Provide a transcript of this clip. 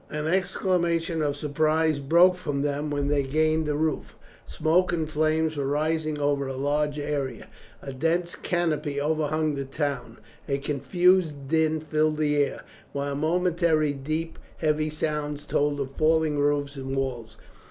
An exclamation of surprise broke from them when they gained the roof. Smoke and flames were rising over a large area. A dense canopy overhung the town, a confused din filled the air, while momentarily deep heavy sounds told of falling roofs and walls.